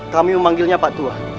kami memanggilnya pak tua